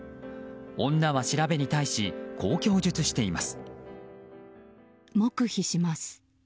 女は調べに対しこう供述しています。